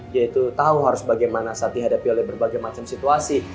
dia itu tahu harus bagaimana saat dihadapi oleh berbagai macam situasi